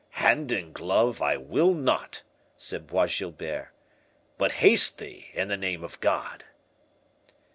"Hand and glove, I will not!" said Bois Guilbert. "But haste thee, in the name of God!"